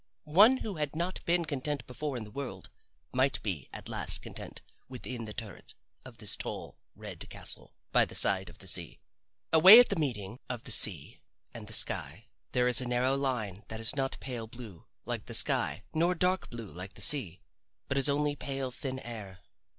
One who had not been content before in the world might be at last content within the turret of this tall, red castle by the side of the sea. Away at the meeting of the sea and the sky there is a narrow line that is not pale blue like the sky nor dark blue like the sea, but is only pale thin air.